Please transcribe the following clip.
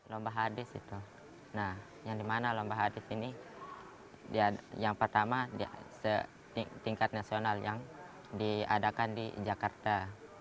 lomba hadis itu nah yang dimana lomba hadis ini yang pertama setingkat nasional yang diadakan di jakarta